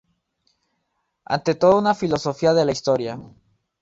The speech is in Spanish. Ante todo una filosofía de la historia.